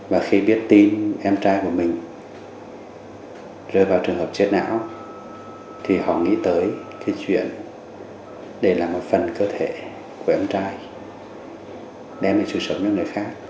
và khi biết tin em trai của mình rơi vào trường hợp chết não thì họ nghĩ tới cái chuyện để làm một phần cơ thể của em trai đem về sự sống cho người khác